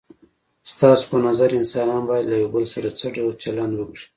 ستاسو په نظر انسانان باید له یو بل سره څه ډول چلند وکړي؟